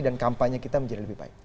dan kampanye kita menjadi lebih baik